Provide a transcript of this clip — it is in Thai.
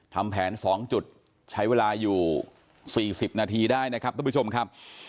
ทำแผน๒จุดใช้เวลาอยู่๔๐นาทีได้นะครับทุกผู้ชมครับ